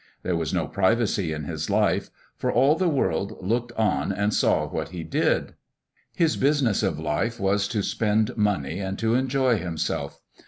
There was no privacy in his life, for all the world looked on and saw what he did. His business of life was to spend money and to enjoy himself.